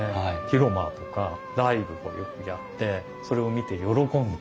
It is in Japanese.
広間とかライブをよくやってそれを見て喜んで。